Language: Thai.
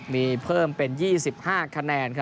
มีเพิ่มเป็น๒๕คะแนน